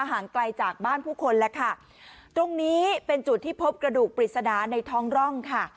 ห่างไกลจากบ้านผู้คนแล้วค่ะตรงนี้เป็นจุดที่พบกระดูกปริศนาในท้องร่องค่ะ